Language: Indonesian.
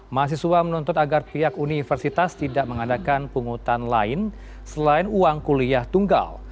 mahasiswa menuntut agar pihak universitas tidak mengadakan pungutan lain selain uang kuliah tunggal